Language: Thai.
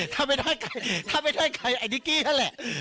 ถ้าไม่ได้ใครถ้าไม่ได้ใครไอ้นิกกี้นั่นแหละ